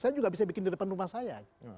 saya juga bisa bikin di depan rumah saya